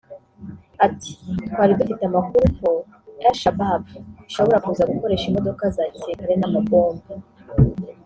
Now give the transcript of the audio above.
Ati “Twari dufite amakuru ko Al-Shabaab ishobora kuza gukoresha imodoka za gisirikare n’amabombe [